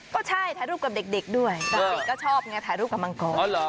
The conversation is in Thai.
ก็ใช่ถ่ายรูปกับเด็กเด็กด้วยก็ชอบไงถ่ายรูปกับมังกรอ๋อเหรอ